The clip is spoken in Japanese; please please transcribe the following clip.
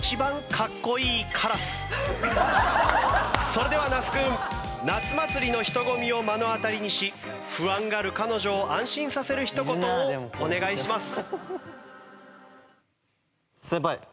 それでは那須君夏祭りの人混みを目の当たりにし不安がる彼女を安心させる一言をお願いします。